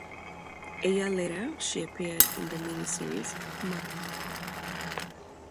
A year later she appeared in the mini-series "Mother Love".